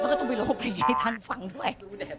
แล้วก็ต้องไปร้องเพลงให้ท่านฟังด้วย